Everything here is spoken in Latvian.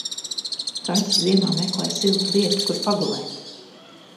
Kaķis ziemā meklē siltu vietu, kur pagulēt.